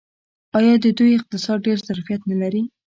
آیا د دوی اقتصاد ډیر ظرفیت نلري؟